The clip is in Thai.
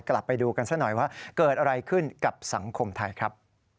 กลับไปดูกันซะหน่อยว่าเกิดอะไรขึ้นกับสังคมไทยครับ